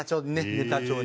ネタ帳に。